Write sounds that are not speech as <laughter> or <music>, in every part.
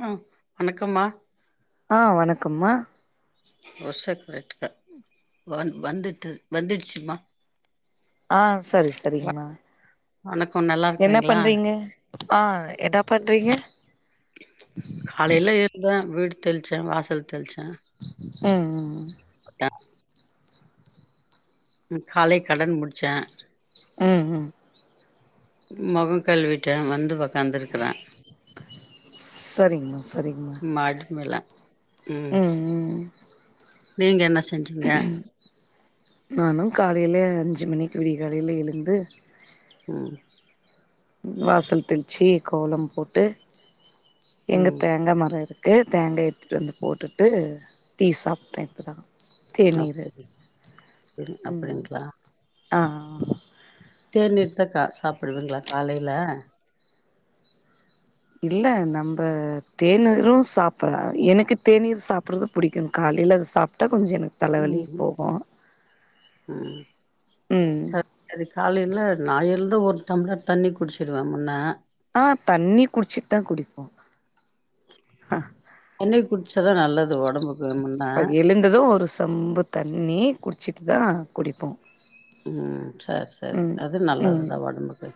ஆஹ் வணக்கம்மா. கம்மா <unintelligible> <unintelligible> வந் வந்துட்டு வந்துடுச்சுமா ஆஹ் செரி செரிங்ம்மா வணக்கம் நல்லா என்ன இருக்குறீங்களா பண்றீங்க ஆ என்ன பண்றீங்க காலேல எழுந்தே வீடு தெளிச்சே வாசல் தெளிச்சே ம் ம் போட்ட ம் காலை கடன் முடி ம் ம் மொகோ கழுவிட்டே வந்து ஒக்காந்துருக் கிறே செரிங்ம்மா செரிங்ம்மா மேல ம் நீங்க என்ன செஞ்சீங்க ம் நானு காலேல எழு அஞ்சு மணிக்கு விடிய காலேல எழுந்து ம் வாசல் தெளிச்சி கோலம் போட்டு எங்க ம் தேங்கா மரோ இருக் க்கு தேங்காய் எடுத்துட்டு வந்து போட்டுட்டு டீ சாப்பிட்டே இப்பதா தேநீரு அப்டி அப்டி ம் அப்டிங்களா ஆ ஆ தேநீர் த கா சாப்டுவீங்களா காலேல இல்ல நம்ப தேநீரு சாப்பற எனக்கு தேநீர் சாப்டுறது புடிக்கு காலேல அத சாப்ட்டா கொஞ்சோ எனக்கு தலவலி ம் போகு ம் ம் சரி சரி காலே இல்ல நா எழுந்து ஒரு டம்ளர் தண்ணி குடிச்சிடுவே முன்ன ஆ தண்ணி குடிச்சிட்டு தா குடிப்போ தண்ணி குடி ச்சாதா நல்லது ஒடம்புக்கு முன்ன அது எழுந்தது ஒரு செம்பு தண்ணி குடிச்சிட் தா குடிப்போ ம் சரி சரி ம் அது ம் நல்லதுதா ஒடம்புக்கு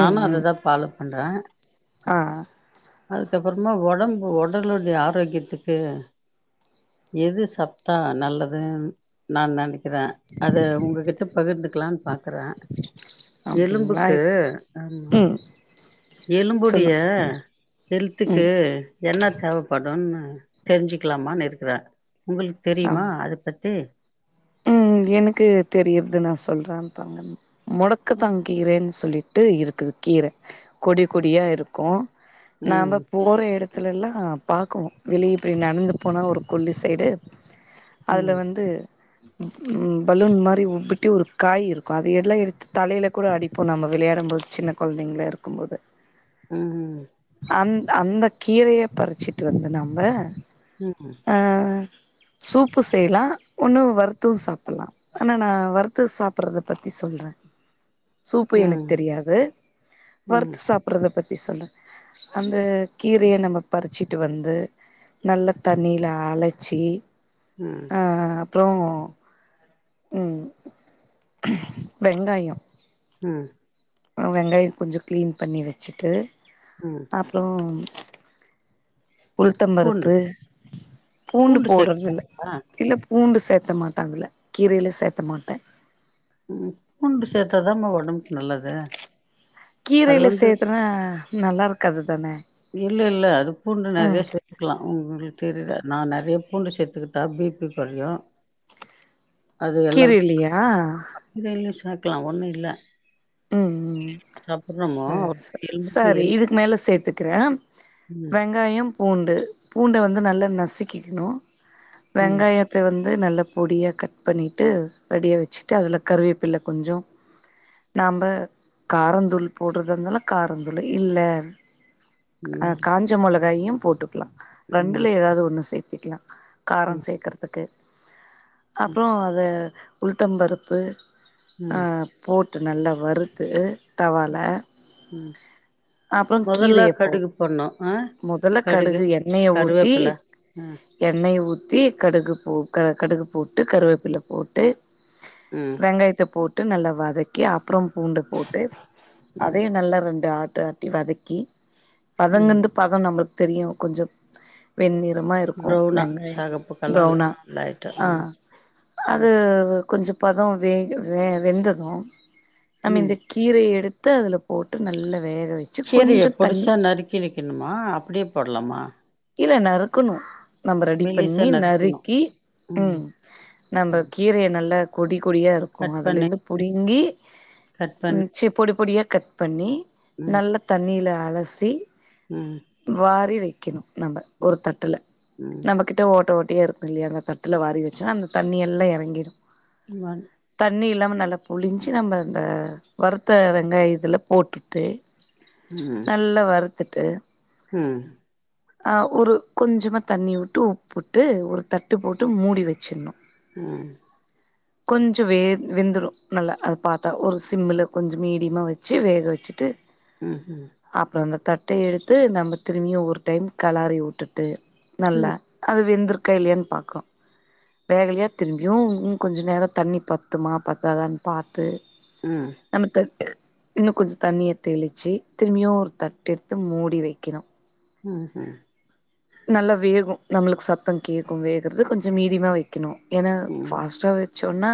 ம் ம் அததா பாலோ பண்றே ஆ அதுக்கப் அப்புறமா ஒடம்பு ஒடலுடைய ஆரோக்கியத்துக்கு எது சத்தா நல்லதுன்னு நா நினைக்கிறே அத உங்ககிட் ட பகிர்ந்துக்லான்னு பாக் க்றே அப்டிங்களா எலும்புக்கு ஆமா ம் எலும்புடைய சொல்லுங்க ஹெல்த்துக்கு ம் என்ன தேவப்படுன் உம் தெரிஞ்சுக்லாமான்னு இருக்றே உங்ளுக்கு தெரியுமா அத பத்தி உம் எனுக்கு தெரியறது நா சொல்றே <unintelligible> மொடக்கத்தாங்கீரென்னு சொல்லிட் ட்டு இருக்குது கீர கொடி கொடியா இருக்கு ம் நாம்ப போற எடத்துல எல்லா பாக்குவொ வெளியே இப்டி நடந்து போனா ஒரு கொல்லி சைடு அதுல ம் வந்து ம் பலூன் மாரி உப்பிட்டு ஒரு காய் இருக்கும் அது எல்லா எடுத்து தலையில கூட அடிப்போம் நம்ம வெளையாடும் போது சின்ன கொழந்தைங்களா இருக்கும் போது உம் அந் அந்த கீரைய பறிச்சிட்டு வந்து நம்ப உம் ஆ சூப்பு செய்லாம் உணவு வர் து சாப் பலாம் ஆனா நா வர் த்து சாப்றத பத்தி சொல்றே சூப்பு எனக்கு ம் தெரியாது ம் வறுத்து சாப்றது பத்தி சொல்றே அந்த கீரைய நம்ப பறிச்சிட்டு வந்து நல்லா தண்ணியில அலச்சி ம் அஹ் அப் ப்றோ உம் வெங்காயம் உம் அ வெங்காயோ கொஞ்ஜோ க்ளீன் பண்ணி வெச்சுட்டு ம் அப்றோம் பூண்டு உள்தம்பருப்பு பூண்டு போட்றதில்ல இல்ல பூண்டு சேத்த மாட்டே அதுல கீரையில சேத்த மாட்டே ம் பூண்டு சேத்தாதாம்மா ஒடம்புக்கு நல்லது அது கீரையில வந்து சேத்துனா நல்லாருக்காதுதான இல்ல இல்ல அது பூண்டு உம் நெறைய சேத்துக்கலா உங்களுக்கு தெரில நா நெறைய பூண்டு சேத்துக்கிட்டா பி பி கொறயு கீரைலியா னுக்லா ஒன்னு இல்ல உம் உம் உம் சாப்புட்றோமோ செரி செ எலும்புக்கு சரி எல் இதுக் மேல சேத் த்துக்றேம் ம் வெங்காயம் பூண்டு பூண்ட வந்து நல்லா நசிக்கிக்ணு ம் வெங்காயத்தை வந் து நல்ல பொடியா கட் பண்ணிட்டு ரெடியா வெச்சுட்டு அதில கருவேப்பில்ல கொஞ்சோ நாம்ப காரந்தூள் போட்றதாருந்தாலு காரந்தூளு இல்ல அ நல்லது காஞ்ச மொள கையும் போட்டுக்லா ம் ரண்டுல எதாவ்து ஒண்ணு சே த்திக்லா காரோ ம் சேக்கறதுக்கு ம் அப்புறோ அத உள்த்தம்பருப்பு அ ம் போட் ட்டு நல்லா வறுத்து தவால ம் ம் அப்புறங் மொதல்ல கீரைய போ கடுகு போட்ணு ஆ முதல்ல கடுகு எண்ணைய ஊத்தி கருவேப்பில ம் எண்ணைய ஊத்தி கடுகு ஓ க கடுகு போட்டு கருவேப்பில்ல போட்டு ம் வெங்காயத்த போட் டு நல்ல வதக்கி அப்புறம் பூண்ட போட்டு ம் அதையு நல்லா ரெண்டு ஆட் ட்ட டி வதக்கி ம் பதந்நுது பதந்நொம்பது தெரியு கொஞ்சொ வெண்ணீர் லம்மா இருக்கோ ப்ரௌனா வெங்காய செகப்பு கலர்ல பிரவுனா லைட்டா ஆ ம் ம் அது கொஞ்ச பதோ வேக வே வெந்ததூ ம் நம்மேந்த கீரையே எடு த அதுல போட்டு நல்லா வேக சிரையே கொஞ்சோ தண்ணி பொடுசா நறுக்கி வெக்கணுமா அப்டேப் போட்லம்மா இல்லே நருக்குணோ நம்ப ரெடி மெலிசா பண்ணீ நறுக்கணு நறுக்கீ ம் நம்ப ம் கீரைய நல்லா கொடி கொடியா இருக்கும் கட் அதுல பண்ணி இருந்து புடுங்கி கட் பண்ணி ச்ச பொடி பொடியா கட் பண்ணி ம் நல்ல தண்ணியில அலசி ம் வாரி வைக்கணு நம்ம ஒரு தட்டுல ம் நம்மகிட்ட ஓ ஓட்டியே இருக்கு இல்லையா அந்த தட்டுல வாரி வச்சா அந்த தண்ணி எல்லா எறங்கிடு வன் தண்ணி இல்லாம நல்ல புழிஞ்சு நம்ம இந்த வறுத்த வெங்காயத்துல போட்டுட்டு ம் நல்ல வரு தட்டு ம் ஆஹ் ஒரு கொஞ்சமா தண்ணி விட்டு உப்பு விட்டு ஒரு தட்டு போட்டு மூடி வச்சிடணு ம் கொஞ்ச வே வெந்துடும் நல்லா அத பார்த்தா ஒரு சிம்முல கொஞ்ச மீடியமா வச்சு வேக வச்சுட்டு ம் ம் தட்டை எடுத்து நம்ம திரும்பியும் ஒரு ம் கலாறி விட்டுட்டு நல்ல ம் அது வெந்துரு வேகலையான்னு பார்க்கணும் வேகலைனா திரும்பியும் இன்னும் கொஞ்ச நேரம் தண்ணி பத்துமா பத்தாதான்னு பார ம் நமக்கு <unintelligible> இன்னு கொஞ்ச தண்ணிய தெளிச்சு திரும்பியு ஒரு தட்ட எடுத்து மூடி வைக்கணு உஹம் உஹம் நல்லா வேகு நம்மளுக்கு சத்த கேட்கு வேகறது கொஞ்ச மீடியமா வைக்கணு ஏன்ன ம் ஃபாஸ்ட்டா சொன்னா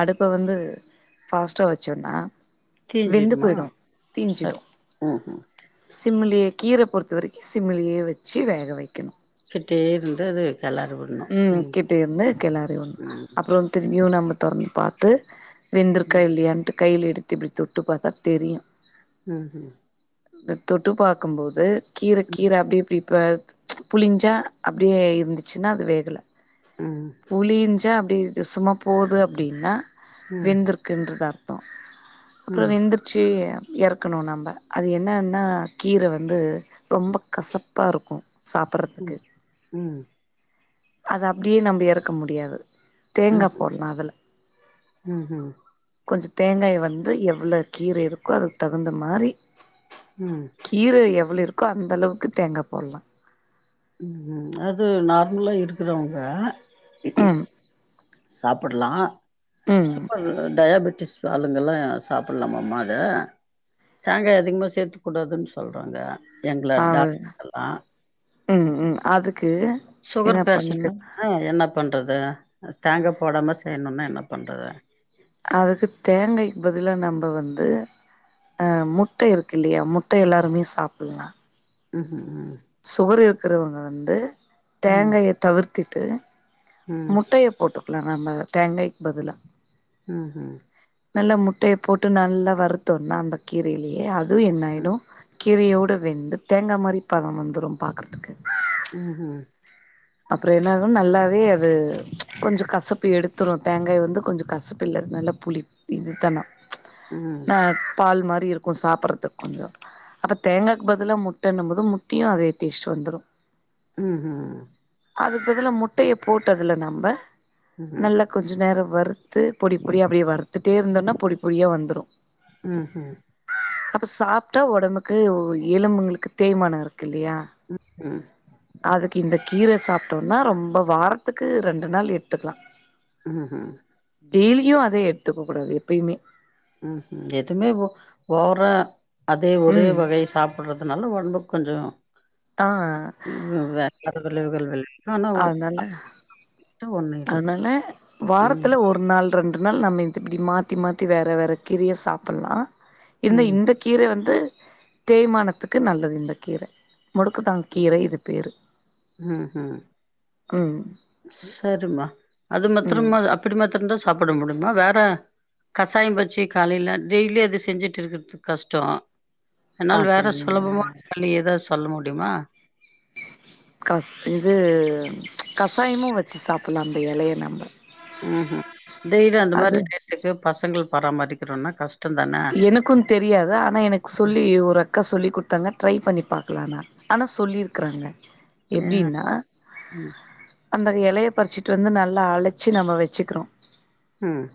அடுப்ப வந்து பாஸ்ட்டா வச்சோன்னா வெந்து தீஞ்சிடுமா போயிடு தீஞ்சிடு சரி ம்ஹும் சிம்முலிய கீர பொறுத்த வரைக்கும சிமிலியே வச்சு சி வேக வைக்கணு கிட்டே இருந்தது உம் கிட்ட இருந்து கிளறி ஒண்ணு ம் அப்புற த நம்ம திறந்து பார்த்து வெந்துருகா ம் இல்லையான்டு கையில எடுத்து இப்டி தொட்டு பார்த்தா தெரியு உஹம் இந்த தொட்டு பார்க்கும்போது கீர ம் கீர அப்டி இப்டி ப புளிஞ்சா அப்படியே இருந்துச்சு ன்னோ அது வேகல ம் புளி ஜாம் அப்ப இது சும்மா போது அப்படின்னா ம் வெந்து இருக்கின்றது அர்த் தோ அப்புறோ ம் வெந்துருச்சு எறக்கணு நம்ப அது என்னன்னா கீர வந்து ரொம்ப கசப்பா இருக்கோ சாப்பிட்றதுக்கு ம் ம் அது அப்படியே நம்ப எறக்க முடியாது ம் தேங்கா போடலா அதுல ம் ம் கொஞ்சோ தேங்காய வந்து எவ்ளோ கீர இருக்கோ அதுக்கு தகுந்த மாரி ம் கீர எவ்ளோ இருக் கோ அந்த அளவுக்கு தேங்கா போடலா உம் அது நார்மலா இருக்கிறவங்க ம் சாப்புட்லா ம் டயாபேட் ட்டிஸ் ஆளுங்கெல்லா சாப்புட்லாம அம்மா அத தேங்காய் அதிகமா சேத்துக் கூடாதுன்னு சொல்றாங்க எங்கள அது டாக் லா ம் ம் அதுக் சுகர் பேஷண்டுக்கு என்ன பண்றது தேங்கா போடாம செய்யணுனா என்ன பண்றது அதுக்கு தேங்காய்க்கு பதிலா நம்ப வந்து அ முட்டை இருக்கு இல்லயா முட்ட எல்லாருமே சாப்பிட்லா ம் கிறவங்க வந்து தேங்காயை தவிர்த் திட்டு ம் முட்டைய போட்டுக்கலா நம்ம தேங்காய்க்கு பதிலா ம் ஹூம் நல்லா முட்டைய போட்டு நல்லா வறுத்தோனா அந்த கீரையிலயே அதுவு என்னாயிடு கீரையோடு வெந்து தேங்காய் மாரி பதம் வந்துரும் பாக்கறதுக்கு ம்ஹும் அப்புறோ என்ன ஆகு நல்லாவே அது கொஞ்சோ கசப்பு எடுத்துரு தேங்காய் வந்து கொஞ்சோ கசப்பு இல்ல நல்லா புளி இது தனம் ம் ம்ஹும் ந பால்மாரி மாரி இருக்கு சாப்பட்றதுக்கு கொஞ்சோ அப்ப தேங்காக்கு பதிலா முட்டண்ணும் போது முட்டயு அதே டேஸ்ட் வந்துரு ம் ம் அதுக்கு பதிலா முட்டய போட்டு அதுல நம்ப ம்ஹும் நல்லா கொஞ்சோ நேரோ வறுத்து பொடி பொடியா அப்டியே வறுத்துட்டே இருந்தோன்னா பொடி பொடியா வந்துடு ம் ஹூம் அப்ப சாப்ட்டா ஒடம்புக்கு எலும்புங்களுக்கு தேய்மானோ இருக் குல்லியா ம் அதுக்கு இந்த கீர சாப்ட்டோனா ரொம்ப வாரத்துக்கு ரெண்டு நாள் எடுத்துக்கலா ம்ஹூம் டேலியு அதே எட்த்துக்க கூடாது எப்பயுமே ம்ஹூம் எதுமே ஓ ஓவரா அதே ஒரே ம் வகையை சாப்பிட்றதுனால ஒடம்புக்கு கொஞ்சோ ஆ விளைவுகள் ஆனா ஆனால ஒண்ணு இல்ல அதனால ம் வாரத்துல ஒரு நாள் ரெண்டு நாள் நம்ம இது இப்டி மாத்தி மாத்தி வேற வேற கீரைய சாப்பிட்லா இந்த ம் இந்த கீர வந்து தேய்மானத்துக்கு நல்லது இந்த கீர முடுக்குதா‌ கீரை இது பேரு ம் ம் ம் து மா அது ம் மத்ரமா அப்டி மத்திரம் தா செ சாப்புட முடிமா வெற கசாயம் வெச்சு காலைல டெய்லி அது செஞ்சுட்டு இருகற்துக்கு கஷ்டோ அன்னால வெற அப்டிங்க சுலபமா வழி ஏதாச்சு சொல்ல முடியுமா கஸ் இது கசாயமு வச்சு சாப்புட்லா அந்த எலைய நம்ம ம்ஹூம் டெய்லி அந்த மாரி செய்த்துக்கு பசங்கள் பராமரிக்கரோனா கஷ் எனக்கு தெரியாது ஆனா எனக்கு சொல்லி ஒரு அக்கா சொல்லி குட்த்தாங்க ட்ரை பண்ணி பாக்கலனா ஆனா சொல்லிருக்குறாங்க ம் எப்டின்னா அந்த எலைய பறிச்சிட்டு வந்து நல்லா அழச்சி நம்ம வச்சுக்கிறோ ம்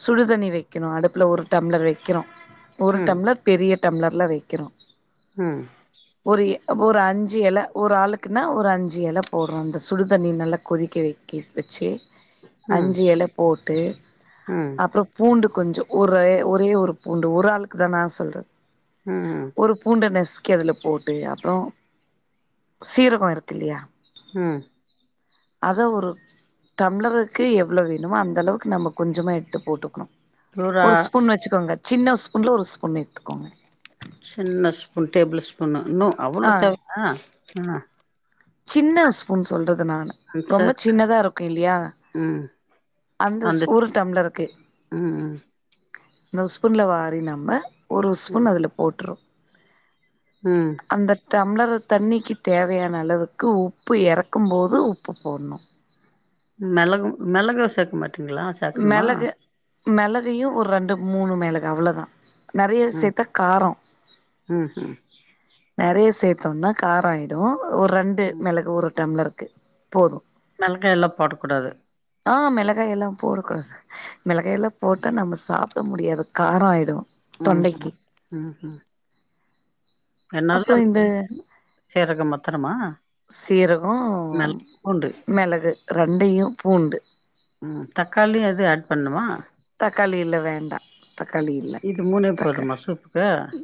சுடுதண்ணி வெக்கணு அடுப்புல ஒரு டம்ளர் வெக்கிறோ ஒரு ம் டம்ளர் பெரிய டம்ளர்ல வெக்கிறோ ம் ஒரு ஒரு அஞ்சு எல ஒரு ஆளுக்குன்னா ஒரு அஞ்சு எல போட்ரோ அந்த சுடுதண்ணி நல்லா கொதிக்க வெக் வெச்சு ம் அஞ்சு எல போட் ட்டு ம் அப்புறோ பூண்டு கொஞ்சோ ஊருர ஒரே ஒரு பூண்டு ஒரு ஆளுக்கு தா நா சொல்ற ம் ஒரு பூண்ட நஸ் கி அதுல போட்டு அப்புறோ சீரகம் இருக்கில்லையா ம் அத ஒரு டம்ளருக்கு எவ்ளோ வேணுமோ அந்த அளவுக்கு நம்ம கொஞ்சமா எடுத்து போட்டுக்கனு துறா வெச்சுக்கோங்க சின்ன ஸ்பூன்ல ஒரு ஸ்பூன் எடுத்துக்கோங்க சின்ன ஸ்பூன் டேபிள் ஸ்பூனு இன்னு ஆ அவ்ளோ சே அ அ சின்ன ஸ்பூன் சொல்ற து நானு ரொம்ப சரி சின்னதா இருக்கில்லியா ம் அந்த ஸ்பூன் டம்ளருக்கு ம் ம் இன்னொரு ஸ்பூன்ல வாரி நம்ம ஒரு ம் ஸ்பூன் அதுல போட்றனு ம் டம்ளர் தண்ணிக்கு தேவையான அளவுக்கு உப்பு எறக்கும் போது உப்பு போட்ணு மெளகும் மெளகு சேக்கமாட் ட்டுங்ளா சேக்கணுமா மெளகு மெளகையு ஒரு ரண்டு மூணு மெளகு அவ்வளோதா நெறைய ம் சேத்தா காரொ ம் ம் நெறைய சேத் தொன்னா காராயிடு ஒரு ரண்டு மெளகு ஒரு டம்ளர் க்கு போது மெளகா எல்லா போடக்கூடாது ஆ மெளகா எல்லாம் போடக்கூடாது மெளகா எல்லா போட்டா நம்ம சாப் ட முடியாது காரொ ஆயிடு ம்ஹு தொண்டைக்கு ம்ஹு என்னால அப்றோ இந்த ம் சீரக மத்தரமா சீரகோ மிள பூண்டு மெளகு ரெண்டையு பூண்டு மா க்காளியிலா வேண்டா தக்காளி இல்ல இது மூணே தக்க போதுமா சூப்புக்கு இ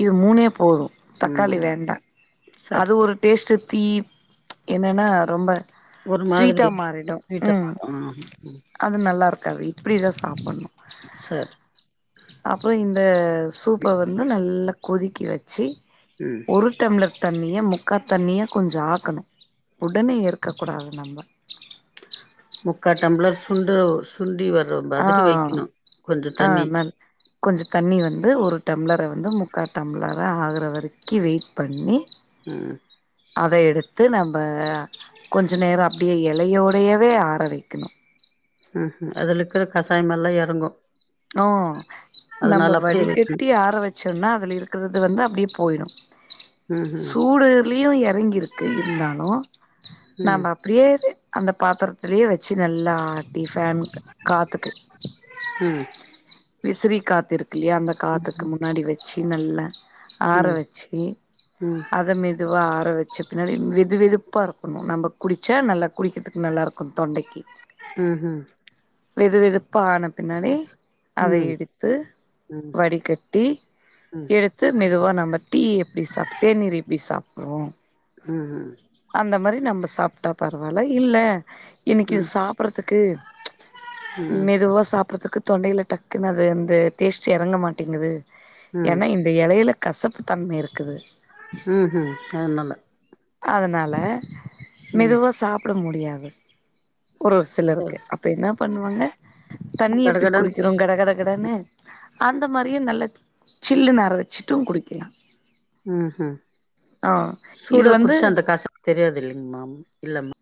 இ மூணே போது தக்காளி ம் வேண்டா சரி அது சரி ஒரு டேஸ்ட்டு தீ ச் என்னென்னா ரொம்ப ஒரு மாதிரி ஸ்வீட்டா மாறிடு வீட்ட உம் ம் ம் அது நல்லா இருக்காது <unintelligible> தாப்பண்ணு சரி அப்பறொ இந்த சூப்ப வந்து நல்லா கொதிக்க வச்சு ம் ஒரு டம்ளர் தண்ணிய முக்கா தண்ணியா கொஞ்ச ஆக்கணு உடனே ஏற்கக் கூடாது நம்ப முக்கா டம்ளர் சுண்டு சுண்டி வர் ஆ அ அ நல் கொஞ்ச தண்ணி வந்து ஒரு டம்ளர வந்து முக்கா டம்ளரா ஆகுற வரைக்கி வெயிட் பண்ணி உம் அத எடுத்து நம்ப கொஞ்ச நேர அப் டியே எலையோடையவே ஆர வைக்கணு ஹ் ஹு அதுல இர்க்கிற கசாயமெல்லா எறங்கு ஓ நம்ப அதனால அப்டியே வைக்கணு வடிகட்டி ஆர வச்சோன்னா அதுல இருக்கறது வந்து அப்டியே போயிடு ம் சூடுர்லியு எறங்கிருக்கு இருந்தாலு ம் நம்ப அப்படியே அந்த பாத்தரத்திலேயே வச்சு நல்லா ஆட்டி ஃபேன் கா காத்துக்கு ம் விசிரி காத்திரு இல்லையா அந்த காத்துக்கு ம் முன்னாடி வச் சி நல்லா ஆற ம் வச்சி ம் ம் அத மெதுவா ஆற வச் ச்ச பின்னாடி வெது வெதுப்பா இருக்கணு நம்ப குடிச்சா நல்ல குடிக்கிதுக்கு நல்லாருக்கு தொண்டைக்கி ம்ஹும் வெது வெதுப்பா ஆனா பின்னாடி அதை ம் எடுத்து ம் வடிகட்டி ம் எடுத்து மெதுவா நம்ம டீ எப்டி சாப் தேநீர் எப்டி சாப் ஓ ம்ஹும் அந்த மாரி நம்ப சாப் ட்டா பரவால்ல இல்ல இன்னைக்கு இது ம் சாப்றதுக்கு ச் ம் மெதுவா சாப்றதுக்கு தொண்டையில டக் குனு அது அந்த டேஸ்ட் எறங்க மாட்டேங்குது ஏனா இந்த எலையில கசப்பு தன்ம இருக் உம் ஹும் அதுனால ல மெதுவா சாப் புட முடியாது ஒரு சரி சிலருக்கு அப்ப என்ன பண்ணுவாங்க சரி தண்ணி எப்டி கடகடன் குடிக்கிறோங்கற கடனு அந்த மாரியு நல்ல சில்லுனு ஆற வச்சிட்டும் குடிக்குலா ம் ஹும் இது சூடா வந்து குடிச்சா அந்த கசப்பு தெரியாது இல்லைங்க மாம் இல்லம்